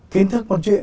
kiến thức một chuyện